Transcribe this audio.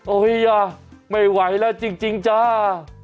โอ้ยยยยยยไม่ไหวแล้วจริงจ้า